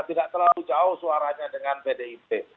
tidak terlalu jauh suaranya dengan pdip